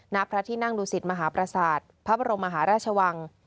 ณพระที่นั่งดูสิตมหาประสาทพระบรมมหาราชวัง